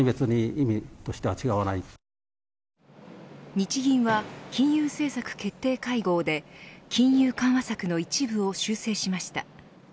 日銀は金融政策決定会合で金融緩和策の一部を修正しました。